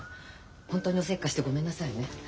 本当におせっかいしてごめんなさいね。